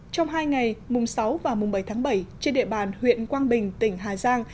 trong hai ngày mùng sáu và mùng bảy tháng bảy trên địa bàn huyện quang bình tỉnh hà giang